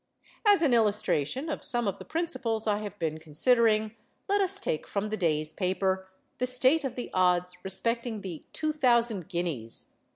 As an illustration of some of the principles I have been considering, let us take from the day's paper, the state of the odds respecting the 'Two Thousand Guineas.